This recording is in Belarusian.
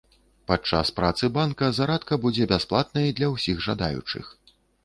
Падчас працы банка зарадка будзе бясплатнай для ўсіх жадаючых.